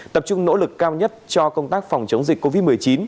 tập trung nỗ lực cao nhất cho công tác phòng chống dịch covid một mươi chín